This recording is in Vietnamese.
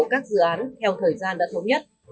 các dự án theo thời gian đã thống nhất